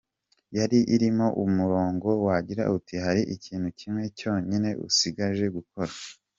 Yari irimo umurongo wagira uti “Hari ikintu kimwe cyonyine usigaje gukora.